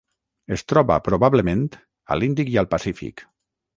Es troba, probablement, a l'Índic i al Pacífic.